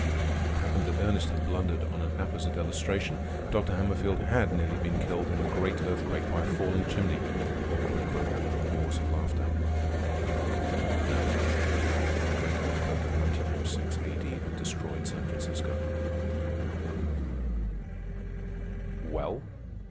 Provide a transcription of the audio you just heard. It happened that Ernest had blundered on an apposite illustration. Dr. Hammerfield had been nearly killed in the Great Earthquake by a falling chimney. Everybody broke out into roars of laughter. The Great Earthquake of 1906 A.D. that destroyed San Francisco. "Well?"